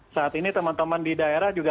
saat ini teman teman di daerah juga